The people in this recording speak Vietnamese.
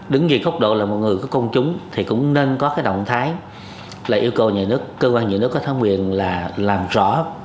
đứng về góc độ là một người có công chúng thì cũng nên có cái động thái là yêu cầu nhà nước cơ quan nhà nước có thắng quyền là làm rõ